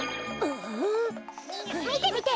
みてみて！